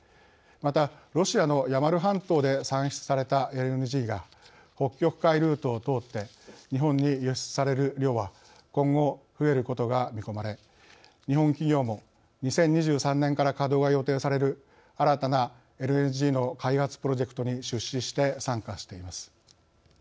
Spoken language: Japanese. また、ロシアのヤマル半島で産出されたＬＮＧが北極海ルートを通って日本に輸出される量は今後、増えることが見込まれ日本企業も２０２３年から稼働が予定される新たなＬＮＧの開発プロジェクトに出資して参加しています。